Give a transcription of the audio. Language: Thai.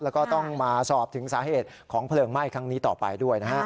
แล้วก็ต้องมาสอบถึงสาเหตุของเพลิงไหม้ครั้งนี้ต่อไปด้วยนะฮะ